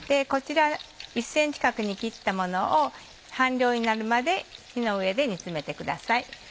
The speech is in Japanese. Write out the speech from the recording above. こちら１ｃｍ角に切ったものを半量になるまで火の上で煮詰めてください。